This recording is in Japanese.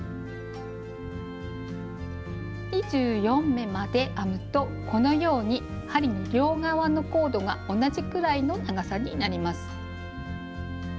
２４目まで編むとこのように針の両側のコードが同じくらいの長さになります。